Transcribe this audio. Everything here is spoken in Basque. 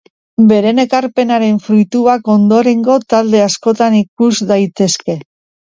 Bere ekarpenaren fruituak ondorengo talde askotan ikus daitezke.